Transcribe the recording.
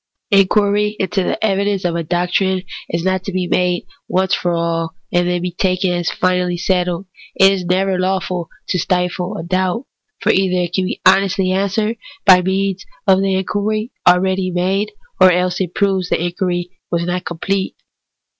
Inquiry into the evidence of a doctrine is not to be made once for all, and then taken as finally settled. It is never lawful to stifle a doubt ; for either it can be honestly answered by means of the inquiry already made, or else it proves that the inquiry was not com plete.